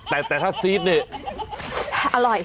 แต่ถ้าซีดเนี่ย